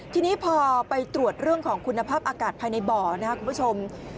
ทีนี้พอไปตรวจเรื่องของคุณภาพอากาศภายในบ่อนะครับคุณผู้ชม